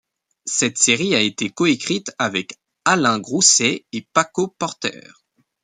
Cette série a été coécrite avec Alain Grousset et Paco Porter.